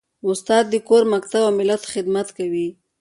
استاد د کور، مکتب او ملت خدمت کوي.